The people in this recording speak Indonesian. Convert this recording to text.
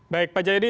baik pak jayadi